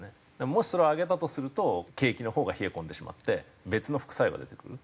もしそれを上げたとすると景気の方が冷え込んでしまって別の副作用が出てくる。